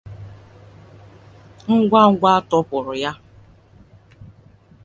Ngwa ngwa a tọhapụrụ ya